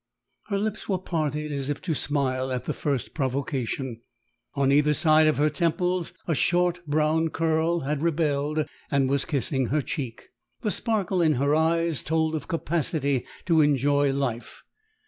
Her lips were parted as if to smile at the first provocation. On either side of her temples a short brown curl had rebelled and was kissing her cheek. The sparkle in her eyes told of capacity to enjoy life.